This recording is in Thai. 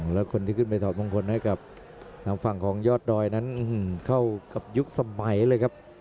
แล้วคนที่ขึ้นไปถอดมงคลให้กับทางฝั่งของยอดดอยนั้นเข้ากับยุคสมัยเลยครับ